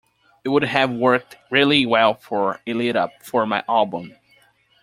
It would have worked really well for a lead up for my album.